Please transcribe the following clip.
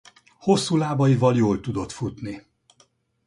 Hosszú lábaival jól tudott futni.